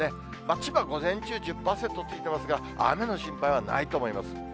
千葉、午前中１０％ついてますが、雨の心配はないと思います。